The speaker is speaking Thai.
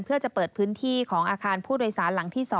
เพื่อจะเปิดพื้นที่ของอาคารผู้โดยสารหลังที่๒